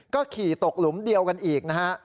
ก็ขี่ตกหลุมเดียวกันอีกนะฮะ